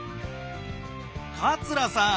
桂さん！